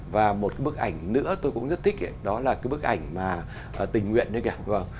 và một bức ảnh nữa tôi cũng rất thích đó là cái bức ảnh mà tình nguyện đây kìa